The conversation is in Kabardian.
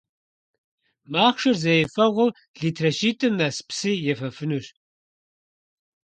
Махъшэр зэ ефэгъуэу литрэ щитIым нэс псы ефэфынущ.